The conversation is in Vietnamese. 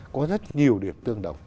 có rất nhiều điểm tương đồng